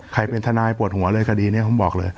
ใครเป็นทนายปวดหัวเลยคดีนี้ผมบอกเลย